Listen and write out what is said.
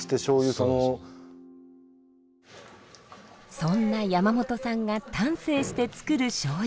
そんな山本さんが丹精して造るしょうゆ。